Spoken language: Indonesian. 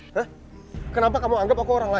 hah kenapa kamu anggap aku orang lah